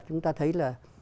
chúng ta thấy là